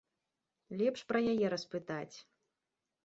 Лепш пра яе распытаць.